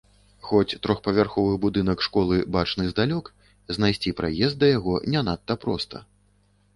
Хоць трохпавярховы будынак школы бачны здалёк, знайсці праезд да яго не надта проста.